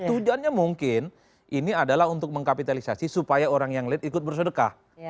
tujuannya mungkin ini adalah untuk mengkapitalisasi supaya orang yang lead ikut bersodekah